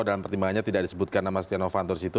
dalam pertimbangannya tidak disebutkan nama stiano vanto disitu